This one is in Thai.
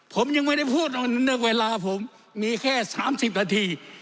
ผมยังไม่ได้พูดเรื่องเวลาผมมีแค่๓๐นาที